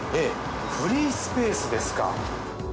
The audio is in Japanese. フリースペースですか。